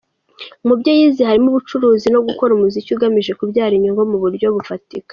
Mu byo yize harimo ubucuruzi no gukora umuziki ugamije kubyara inyungu mu buryo bufatika.